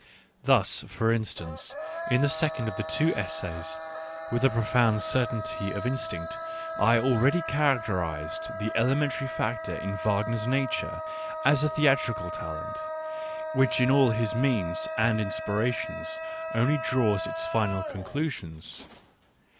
Thus, for instance, in the second of the two essays, with a profound certainty of in stinct I already characterised the elementary factor in Wagner's nature as a theatrical talent which in all his means and inspirations only draws its final conclusions.